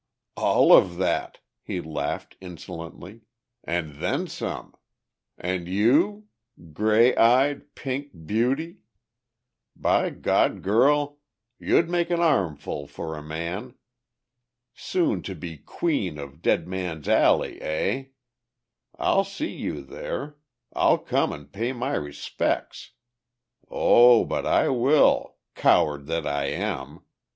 "All of that," he laughed insolently. "And then some. And you? Grey eyed, pink beauty! By God, girl, you'd make an armful for a man! Soon to be queen of Dead Man's Alley, eh? I'll see you there; I'll come and pay my respects! Oh, but I will, coward that I am!